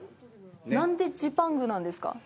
なんでジパングなんですか？